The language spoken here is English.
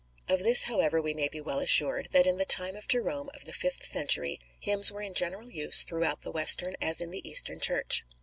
Of this, however, we may be well assured, that in the time of Jerome of the fifth century, hymns were in general use throughout the Western as in the Eastern Church.